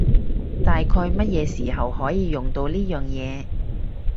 大概乜嘢時候可以用到呢樣嘢？